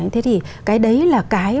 thế thì cái đấy là cái